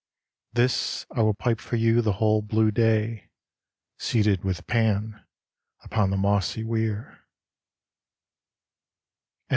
This I will pipe for you the whole blue day Seated with Pan upon the mossy weir.